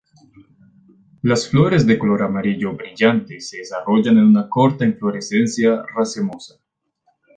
Las flores de color amarillo brillante se desarrollan en una corta inflorescencia racemosa.